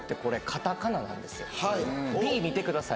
カタカナなんですよ